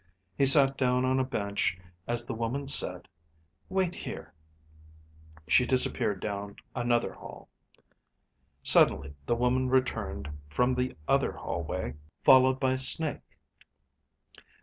He sat down on a bench as the woman said, "Wait here." She disappeared down another hall. Suddenly the woman returned from the other hallway, followed by Snake.